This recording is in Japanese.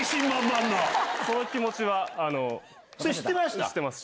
その気持ちは知ってます。